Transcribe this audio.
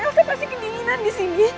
saya pasti kedinginan di sini